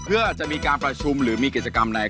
เพื่อจะมีการประชุมหรือมีกิจกรรมใน